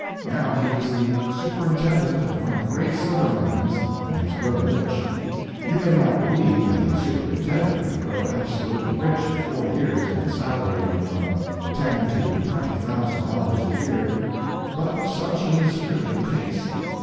Now he is the superintendent of one of the great silver mines, and has grown rich. You may not believe that a superintendent can grow absolutely rich in four years on a salary of from ten to twenty thousand dollars a year, but such is really the case.